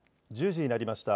１０時になりました。